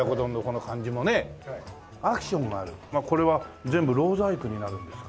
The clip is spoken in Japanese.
これは全部ろう細工になるんですか？